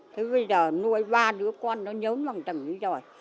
thế bây giờ nuôi ba đứa con nó nhớ mầm trầm như vậy rồi